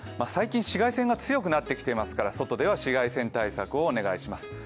最近、紫外線が強くなってきていますから、外では紫外線対策をお願いします。